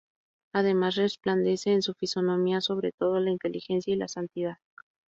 Además resplandece en su fisonomía, sobre todo, la inteligencia y la santidad.